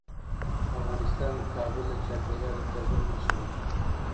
افغانستان کې کابل د چاپېریال د تغیر نښه ده.